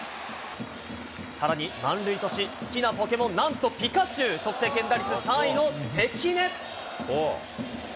さらに満塁とし、好きなポケモン、なんとピカチュウ、得点圏打率３位の関根。